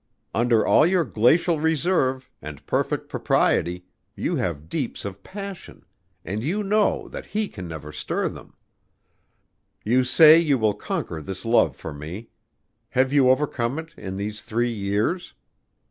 Under all your glacial reserve and perfect propriety you have deeps of passion and you know that he can never stir them. You say you will conquer this love for me. Have you overcome it in these three years?